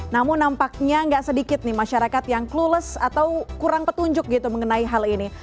namun nampaknya nggak sedikit nih masyarakat yang clules atau kurang petunjuk gitu mengenai hal ini